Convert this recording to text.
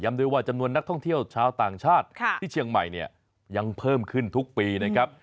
ด้วยว่าจำนวนนักท่องเที่ยวชาวต่างชาติที่เชียงใหม่เนี่ยยังเพิ่มขึ้นทุกปีนะครับ